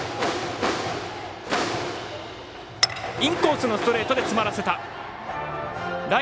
インコースのストレートで詰まらせた。